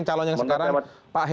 republik indonesia iga